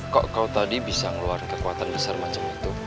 kok kau tadi bisa ngeluarin kekuatan besar macam itu